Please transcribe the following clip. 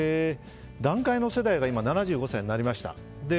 団塊の世代が今、７５歳になりました。